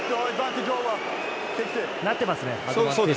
なってますね。